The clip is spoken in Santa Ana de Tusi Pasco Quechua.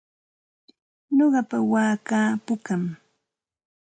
Nuqapa waakaa pukam.